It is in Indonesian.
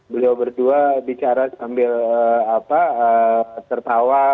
beliau berdua bicara sambil tertawa